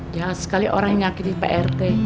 jangan sekali orang yang ngakiti prt